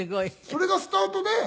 それがスタートで。